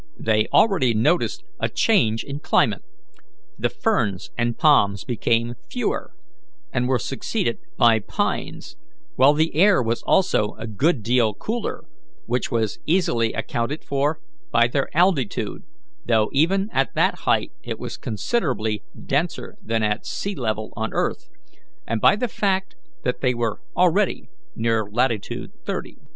They already noticed a change in climate; the ferns and palms became fewer, and were succeeded by pines, while the air was also a good deal cooler, which was easily accounted for by their altitude though even at that height it was considerably denser than at sea level on earth and by the fact that they were already near latitude thirty.